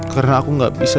karena aku gak bisa